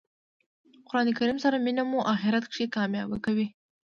قران کریم سره مینه مو آخرت کښي کامیابه کوي.